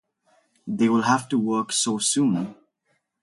They will have to work so soon.